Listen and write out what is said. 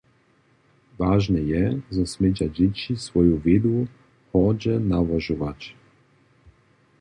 Wažne je, zo smědźa dźěći swoju wědu hordźe nałožować.